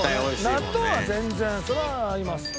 納豆は全然そりゃ合います。